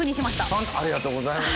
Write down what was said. ありがとうございます。